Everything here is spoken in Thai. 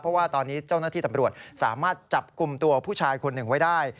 เพราะว่าตอนนี้เจ้าหน้าที่ตำรวจสามารถจับกลุ่มตัวผู้ชายคนหนึ่งไว้ได้